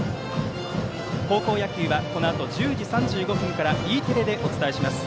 高校野球はこのあと１０時３５分からＥテレでお伝えします。